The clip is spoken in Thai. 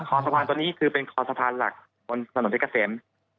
สะพานตัวนี้คือเป็นคอสะพานหลักบนถนนเพชรเกษม